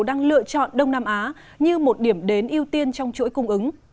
đang lựa chọn đông nam á như một điểm đến ưu tiên trong chuỗi cung ứng